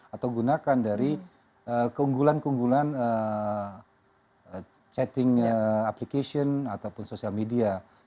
atau gunakan dari keunggulan keunggulan chatting application ataupun social media